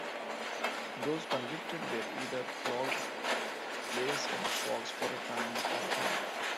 Those convicted were either flogged, placed in stocks for a time, or hanged.